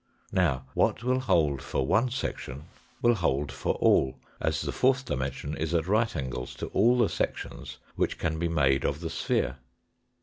Now, what will hold for one section will hold for 218 THE FOURTH DIMENSION all, as the fourth dimension is at right angles to all the sections which can be made of the sphere.